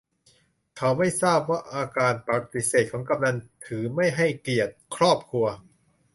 เขาไม่ทราบว่าการปฏิเสธของกำนัล ถือไม่ให้เกียรติครอบครัว